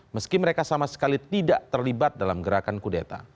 meski mereka sama sekali tidak terlibat dalam gerakan kudeta